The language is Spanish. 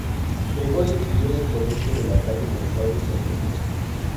Gregorio estudió en el Colegio La Salle Buenos Aires, Argentina.